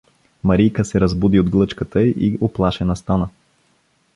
Марийка се разбуди от глъчката и уплашена стана.